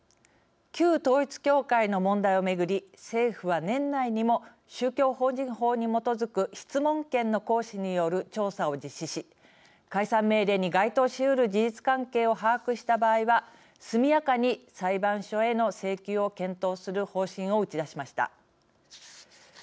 旧統一教会の問題を巡り政府は、年内にも宗教法人法に基づく質問権の行使による調査を実施し解散命令に該当しうる事実関係を把握した場合は速やかに裁判所への請求を検討する方針を打ち出しました。